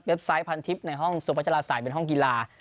เว็บไซต์พันทิศในห้องสวัสดิ์จราศัยเป็นห้องกีฬา